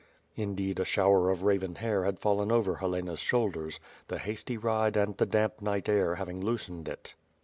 Indeed, a shower of raven hair had fallen over Helena's shoulders; the hasty ride and the damp night air having loos ened it.